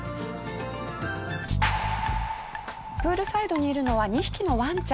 プールサイドにいるのは２匹のワンちゃん。